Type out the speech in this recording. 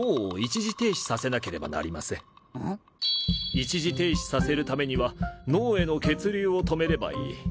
一時停止させるためには脳への血流を止めればいい。